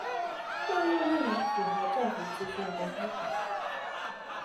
調閱內容符合政府資訊公開法